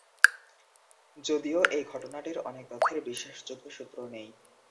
যদিও এই ঘটনাটির অনেক তথ্যের বিশ্বাসযোগ্য সূত্র নেই।